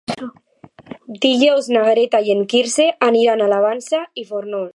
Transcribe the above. Dijous na Greta i en Quirze aniran a la Vansa i Fórnols.